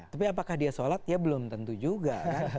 tapi apakah dia sholat ya belum tentu juga